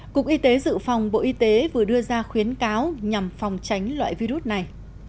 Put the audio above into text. cục y tế dự phòng bộ y tế vừa đưa ra khuyến cáo nhằm phòng tránh loại virus này